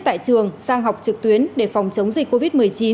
sang học trực tuyến để phòng chống dịch covid một mươi chín